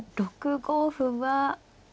６五歩は。